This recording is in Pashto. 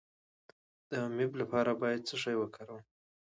د امیب لپاره باید څه شی وکاروم؟